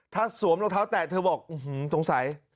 ถ้าสวมรองเท้าแตกเธอบอกอื้อหือตรงใส